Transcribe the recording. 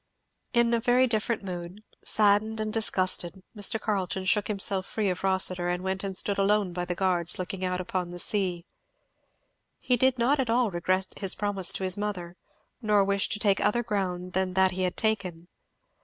In a very different mood, saddened and disgusted, Mr. Carleton shook himself free of Rossitur and went and stood alone by the guards looking out upon the sea. He did not at all regret his promise to his mother, nor wish to take other ground than that he had taken.